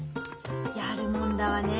やるもんだわねえ